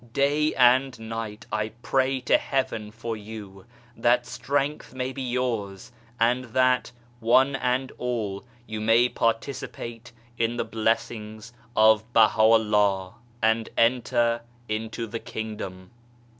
Day and night I pray to Heaven for you that strength may be yours, and that, one and all, you may participate in the blessings of Baha Vllah, and enter into the King dom.